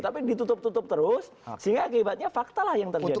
tapi ditutup tutup terus sehingga akibatnya fakta lah yang terucap